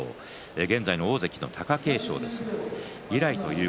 現在の大関貴景勝以来です。